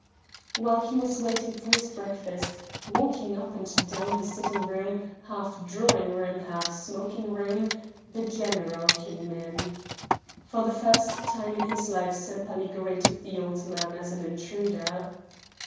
While he was waiting for his breakfast, walking up and down the sitting room half drawing room, half smoking room the general came in. For the first time in his life Sempaly greeted the old man as an intruder.